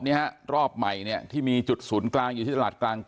ฮะรอบใหม่เนี่ยที่มีจุดศูนย์กลางอยู่ที่ตลาดกลาง